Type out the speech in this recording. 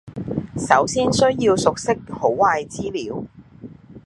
首先需要熟悉好壞資料